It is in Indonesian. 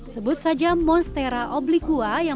sebut saja monstera obliqua